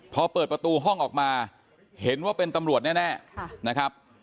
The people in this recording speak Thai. พอเปิดประตูห้องออกมาเห็นว่าเป็นตำรวจแน่นะครับ